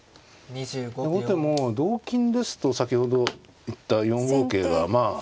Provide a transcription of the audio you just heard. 後手も同金ですと先ほど言った４五桂がまあ